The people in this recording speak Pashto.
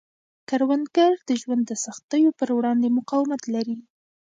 کروندګر د ژوند د سختیو پر وړاندې مقاومت لري